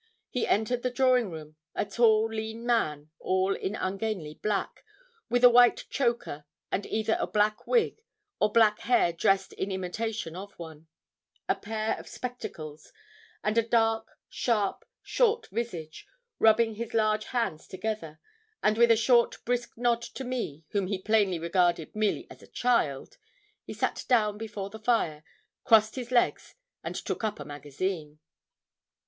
He entered the drawing room a tall, lean man, all in ungainly black, with a white choker, with either a black wig, or black hair dressed in imitation of one, a pair of spectacles, and a dark, sharp, short visage, rubbing his large hands together, and with a short brisk nod to me, whom he plainly regarded merely as a child, he sat down before the fire, crossed his legs, and took up a magazine.